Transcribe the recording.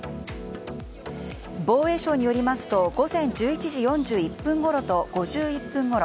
防衛省によりますと午前１１時４１分ごろと５１分ごろ